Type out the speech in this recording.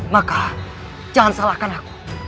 maka jangan salahkan aku